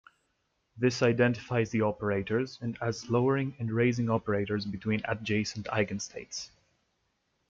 This identifies the operators and as "lowering" and "raising" operators between adjacent eigenstates.